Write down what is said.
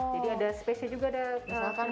jadi ada space nya juga ada penempatannya